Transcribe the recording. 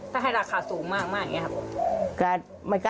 ถ้าให้ราคาสูงมากอย่างนี้ครับ